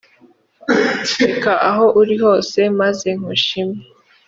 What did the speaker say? reka aho uri hose maze nkushime